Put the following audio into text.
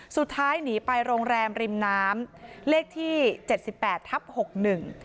สุดท้ายหนีไปโรงแรมริมน้ำเลขที่เจ็ดสิบแปดทับหกหนึ่ง